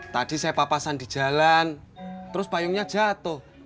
tadi saya papasan di jalan terus payungnya jatuh